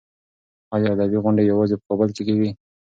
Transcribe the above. ایا ادبي غونډې یوازې په کابل کې کېږي؟